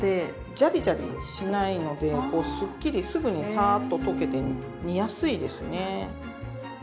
ジャリジャリしないのですっきりすぐにサーッと溶けて煮やすいですね。